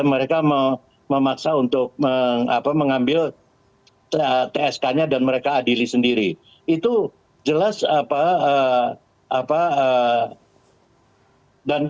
mereka memaksa untuk mengapa mengambil tsk nya dan mereka adili sendiri itu jelas apa apa dan